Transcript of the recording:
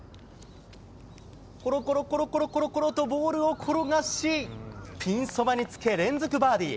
コロコロコロコロとボールを転がしピンそばにつけ連続バーディー。